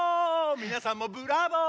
みなさんもブラボー！